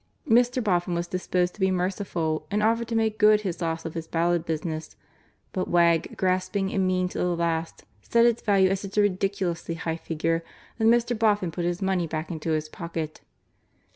Mr. Boffin was disposed to be merciful and offered to make good his loss of his ballad business, but Wegg, grasping and mean to the last, set its value at such a ridiculously high figure that Mr. Boffin put his money back into his pocket.